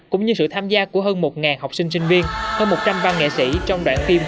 cũng như sự tham gia của hơn một học sinh sinh viên hơn một trăm linh văn nghệ sĩ trong đoạn phim